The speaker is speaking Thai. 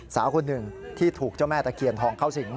สาวคนหนึ่งที่ถูกเจ้าแม่ตะเคียนทองเข้าสิง